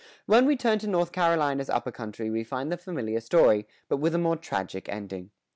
When we turn to North Carolina's upper country we find the familiar story, but with a more tragic ending.